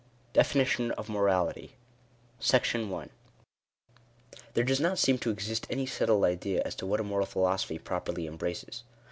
DEFINITION OF MORALITY. *1 There does not seem to exist any settled idea as to what a Moral Philosophy properly embraces.